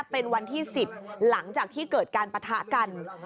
เป็นวันที่๑๐หลังจากที่เกิดการปะทะกัน